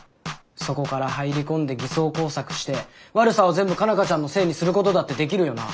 そこから入り込んで偽装工作して悪さを全部佳奈花ちゃんのせいにすることだってできるよな。